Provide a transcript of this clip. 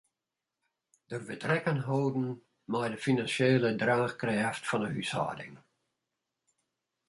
Der wurdt rekken holden mei de finansjele draachkrêft fan 'e húshâlding.